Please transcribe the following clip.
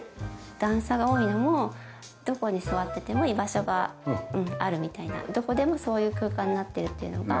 段差が多いのもどこに座ってても居場所があるみたいなどこでもそういう空間になってるっていうのが。